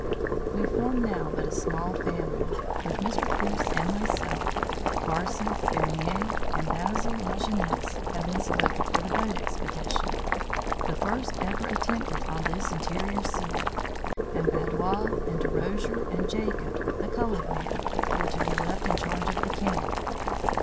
"We formed now but a small family. With Mr. Preuss and myself, Carson, Bernier, and Basil Lajeunesse had been selected for the boat expedition the first ever attempted on this interior sea; and Badau, with Derosier, and Jacob (the colored man), were to be left in charge of the camp.